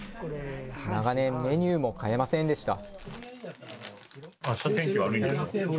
長年、メニューも変えませんでした。